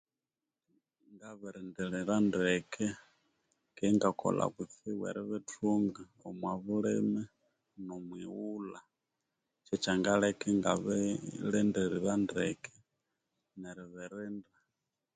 Ngabirindiliira ndeke keghe ingakolha kutsibu eribithunga omwa bulime no mwi ghulha kyekya ngaleka ingabi birindirira ndeke neri birinda